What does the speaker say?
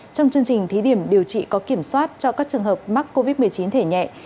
trong chương trình thí điểm điều trị có kiểm soát cho các trường hợp mắc covid một mươi chín thể nhẹ